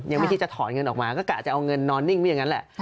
ยังไม่คิดจะถอนเงินออกมาก็กะจะเอาเงินนอนนิ่งไม่อย่างนั้นแหละ